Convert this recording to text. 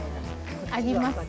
あります？